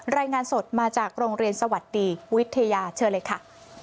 รายงานสดมาจากโรงเรียนสวัสดีวิทยาเชิญเลยค่ะ